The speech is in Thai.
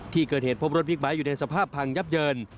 ที่เกิดเหตุพบรถบิ๊กไบท์อยู่ในสภาพพังยับเยิน